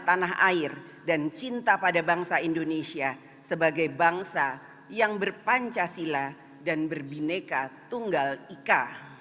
tanah air dan cinta pada bangsa indonesia sebagai bangsa yang berpancasila dan berbineka tunggal ika